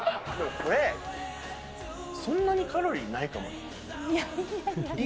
そんなにカロリーないかもよ。